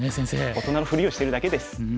大人のふりをしてるだけです。